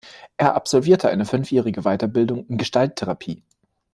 Er absolvierte eine fünfjährige Weiterbildung in Gestalttherapie.